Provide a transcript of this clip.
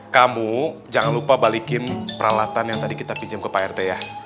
kamu jangan lupa balikin peralatan yang tadi kita pinjam ke pak rt ya